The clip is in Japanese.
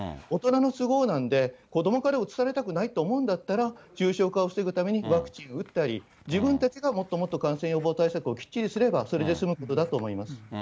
大人の都合なんで、子どもからうつされたくないと思うんだったら、重症化を防ぐためにワクチンを打ったり、自分たちでもっともっと感染予防対策をきっちりすれば、それで済むことだと思います。